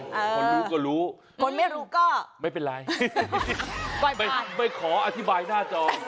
คนรู้ก็รู้คนไม่รู้ก็ไม่เป็นไรไม่ขออธิบายหน้าจอ